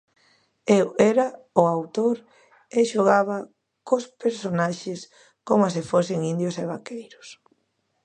Eu era o autor e xogaba cos personaxes coma se fosen indios e vaqueiros.